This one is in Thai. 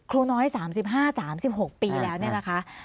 ครูน้อย๓๕๓๖ปีแล้วเนี่ยนะคะ